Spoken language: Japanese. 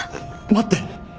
待って！